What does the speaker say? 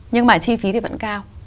nhưng mà chi phí thì vẫn cao